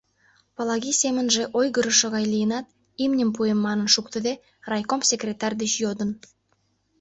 Палаги семынже ойгырышо гай лийынат, «имньым пуэм» манын шуктыде, райком секретарь деч йодын: